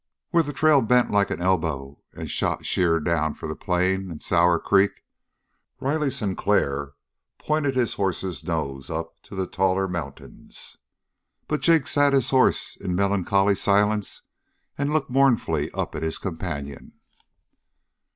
Where the trail bent like an elbow and shot sheer down for the plain and Sour Creek, Riley Sinclair pointed his horse's nose up to the taller mountains, but Jig sat his horse in melancholy silence and looked mournfully up at his companion.